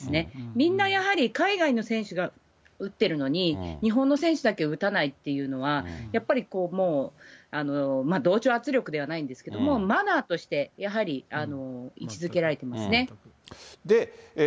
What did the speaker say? みんなやはり海外の選手が打ってるのに、日本の選手だけ打たないっていうのは、やっぱりもう、同調圧力ではないんですけれども、マナーとして、やはり位置づけられていますね。